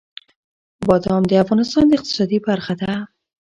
بادام د افغانستان د اقتصاد برخه ده.